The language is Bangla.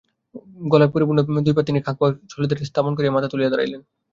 ধুলায় পরিপূর্ণ দুই পা তিনি কিংখাব মছলন্দের উপর স্থাপন করিয়া মাথা তুলিয়া দাঁড়াইলেন।